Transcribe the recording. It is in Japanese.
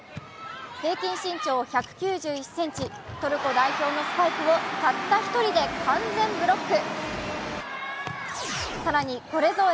平均身長１９１ｃｍ、トルコ代表のスパイクをたった一人で完全ブロック。